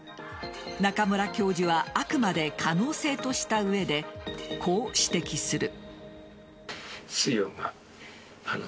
中村教授はあくまで可能性とした上でこう指摘する。